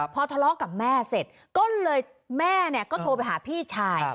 พอทะเลาะกับแม่เสร็จก็เลยแม่ก็โทรไปหาพี่ชาย